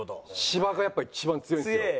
芝がやっぱり一番強いですよ。